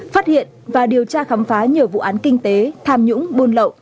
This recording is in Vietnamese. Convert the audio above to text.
phát hiện và điều tra khám phá nhiều vụ án kinh tế tham nhũng buôn lậu